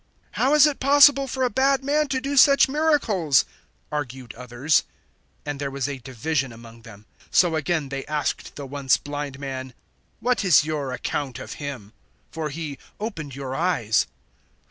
"How is it possible for a bad man to do such miracles?" argued others. 009:017 And there was a division among them. So again they asked the once blind man, "What is your account of him? for he opened your eyes."